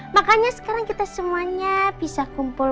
makanya sekarang kita semuanya bisa kumpul